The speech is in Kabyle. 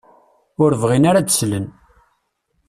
Ur bɣin ara ad d-slen.